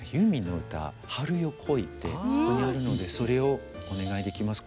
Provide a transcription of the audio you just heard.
あそこにあるのでそれをお願いできますか。